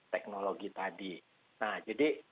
teknologi tadi nah jadi